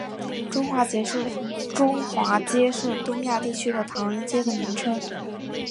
中华街是东亚地区的唐人街的名称。